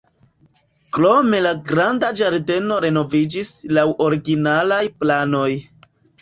Krome la granda ĝardeno renoviĝis laŭ originalaj planoj.